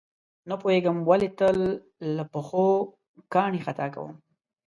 نه پوهېږم ولې تل له پښو کاڼي خطا کوي.